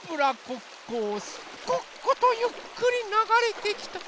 こっことゆっくりながれてきた。